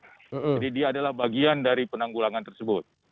jadi dia adalah bagian dari penanggulangan tersebut